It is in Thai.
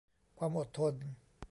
ความอดทน